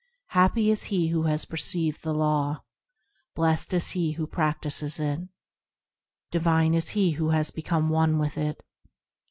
Happy is he who has perceived the Law; Blessed is he who practises it; Divine is he who has become one with it.